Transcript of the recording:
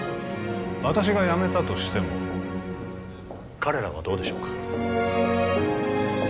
私がやめたとしても彼らはどうでしょうか